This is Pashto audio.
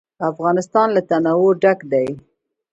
افغانستان له تنوع ډک دی.